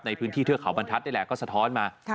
ในพื้นที่เทือเขาบรรทัศน์ได้แหละก็สะท้อนมา